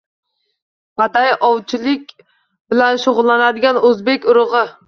Baday–ovchilik bilan shug‘ullanadigan o‘zbek urug‘i,.